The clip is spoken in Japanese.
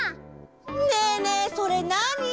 ねえねえそれなに？